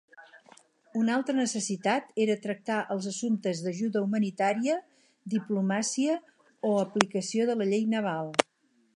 Una altra necessitat era tractar els assumptes d"ajuda humanitària, diplomàcia o aplicació de la llei naval.